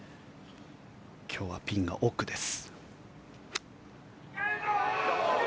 今日はピンが奥です。